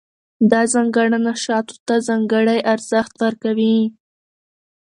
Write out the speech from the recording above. دا ځانګړنه شاتو ته ځانګړی ارزښت ورکوي.